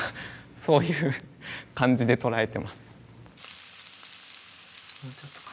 そういう感じで捉えてます。